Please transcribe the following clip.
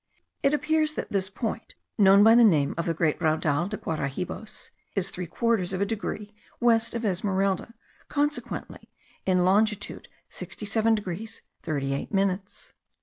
It appears that this point, known by the name of the great Raudal de Guaharibos, is three quarters of a degree west of Esmeralda, consequently in longitude 67 degrees 38 minutes.